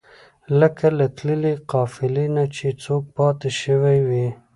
لکه له تللې قافلې نه چې څوک پاتې شوی وي.